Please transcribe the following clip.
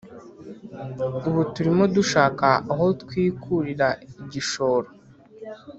ubuturimo dushaka aho twikurira igishoro